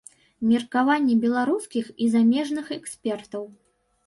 Меркаванні беларускіх і замежных экспертаў.